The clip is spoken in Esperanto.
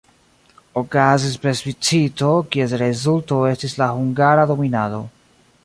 Okazis plebiscito, kies rezulto estis la hungara dominado.